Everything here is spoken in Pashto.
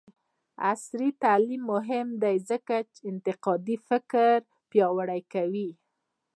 عصري تعلیم مهم دی ځکه چې انتقادي فکر پیاوړی کوي.